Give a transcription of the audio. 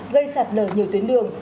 gây sạt lở nhiều tuyến đường